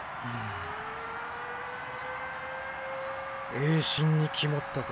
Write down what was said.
栄新に決まったか。